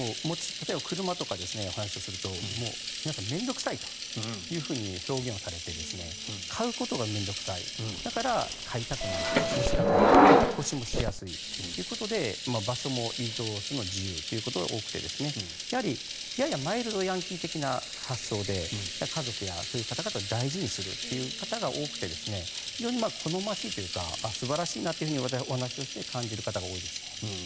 例えば車とかの話をすると皆さん、面倒臭いと表現をされて買うことが面倒臭いだから買いたくない、持ちたくない引っ越しもしやすいということで場所も移動するのが自由ということが多くてややマイルドヤンキー的な発想で家族やそういう方々を大事にするという方々が多くて非常に好ましいというか素晴らしいなとお話をして感じる方が多いですね。